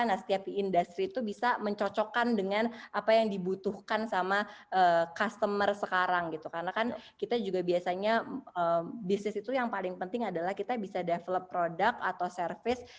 nah setiap industri itu bisa mencocokkan dengan apa yang dibutuhkan sama customer sekarang gitu karena kan kita juga biasanya bisnis itu yang paling penting adalah kita bisa develop product atau service